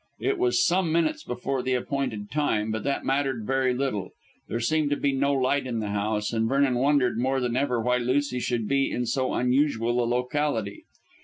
It was some minutes before the appointed time, but that mattered very little. There seemed to be no light in the house, and Vernon wondered more than ever why Lucy should be in so unusual a locality.